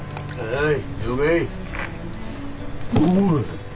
はい。